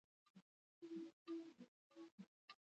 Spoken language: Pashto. هلته اتیا سلکیټونو کې د تاوتریخوالي نښې وې.